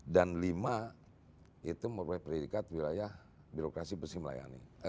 dan lima itu memperoleh predikat wilayah birokrasi bersimulasi